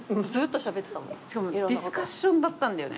しかもディスカッションだったんだよね。